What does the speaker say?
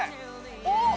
おっ！